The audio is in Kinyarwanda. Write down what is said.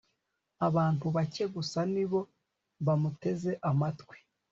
abantu bake gusa ni bo bamuteze amatwi